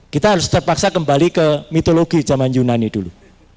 kita harus terpaksa kembali ke mitologi zaman yunani dulu